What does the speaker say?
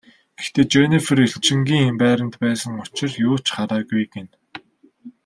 Гэхдээ Женнифер элчингийн байранд байсан учир юу ч хараагүй гэнэ.